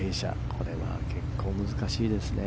これは結構難しいですね。